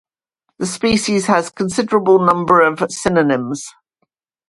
The species has a considerable number of synonyms.